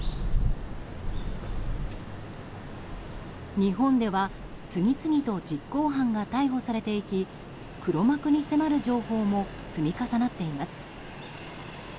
日本では次々と実行犯が逮捕されていき黒幕に迫る情報も積み重なっています。